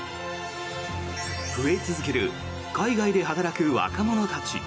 増え続ける海外で働く若者たち。